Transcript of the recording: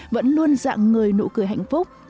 vẫn luôn dặn người nụ cười hạnh phúc